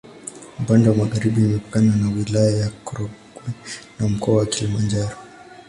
Upande wa magharibi imepakana na Wilaya ya Korogwe na Mkoa wa Kilimanjaro.